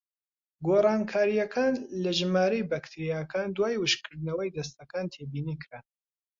گۆڕانکاریەکان لە ژمارەی بەکتریاکان دوای وشکردنەوەی دەستەکان تێبینیکران: